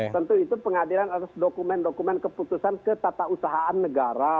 tentu itu pengadilan atas dokumen dokumen keputusan ketata usahaan negara